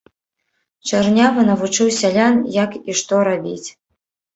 Чарнявы навучыў сялян, як і што рабіць.